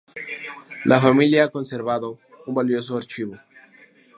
La familia ha conservado un valioso archivo.